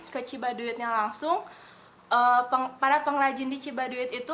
ke cibaduyutnya langsung para pengrajin di cibaduyut itu